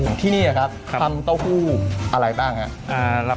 ที่นี่ครับทำเต้าหู้อะไรบ้างครับ